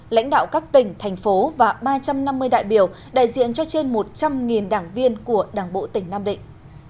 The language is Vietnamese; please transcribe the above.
lãnh đạo các tỉnh thành phố và ba trăm năm mươi đại biểu đại diện cho trên một trăm linh đảng viên của đảng bộ tỉnh nam định